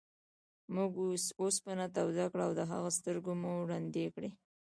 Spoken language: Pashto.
موږ اوسپنه توده کړه او د هغه سترګې مو ړندې کړې.